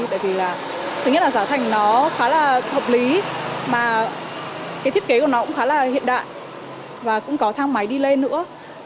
tại vì là thứ nhất là giá thành nó khá là hợp lý mà cái thiết kế của nó cũng khá là hiện đại và cũng có thang máy đi lên nữa